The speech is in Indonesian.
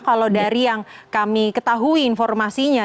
kalau dari yang kami ketahui informasinya